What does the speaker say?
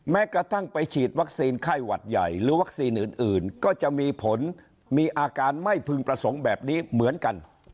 แม้กระทั่งไปฉีดวัคซีนไข้หวัดใหญ่หรือวัคซีนอื่นก็จะมีผลมีอาการไม่พึงประสงค์แบบนี้เหมือนกัน